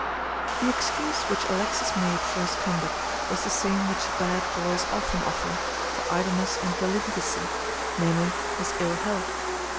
The excuse which Alexis made for his conduct was the same which bad boys often offer for idleness and delinquency, namely, his ill health.